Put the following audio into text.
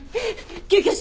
救急車！